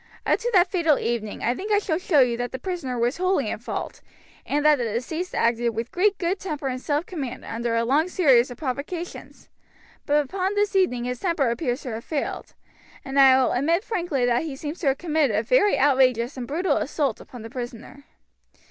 Up to that fatal evening I think I shall show you that the prisoner was wholly in fault, and that the deceased acted with great good temper and self command under a long series of provocations; but upon this evening his temper appears to have failed, and I will admit frankly that he seems to have committed a very outrageous and brutal assault upon the prisoner.